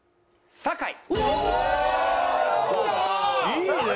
いいね！